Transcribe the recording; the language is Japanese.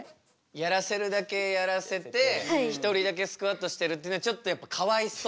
やらせるだけやらせて一人だけスクワットしてるっていうのはちょっとやっぱりかわいそう？